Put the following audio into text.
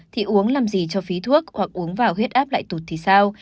thì uống làm gì cho phí thuốc hoặc uống vào huyết áp lại tụt thì sao